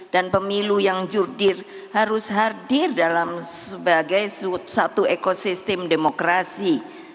dan pemilu yang jurdir harus hadir dalam sebagai satu ekosistem demokrasi